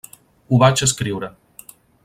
Ho vaig escriure.